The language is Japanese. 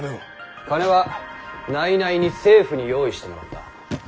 金は内々に政府に用意してもらった。